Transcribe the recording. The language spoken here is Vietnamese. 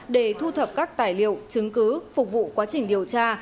để thu thập các tài liệu chứng cứ phục vụ quá trình điều tra